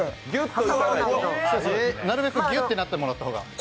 なるべくぎゅってなってもらった方が。